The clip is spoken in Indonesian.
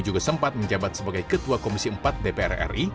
juga sempat menjabat sebagai ketua komisi empat dpr ri